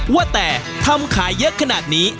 ว่าแต่ทำขายเยอะขนาดนี้